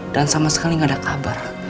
dan sama sekali gak ada kabar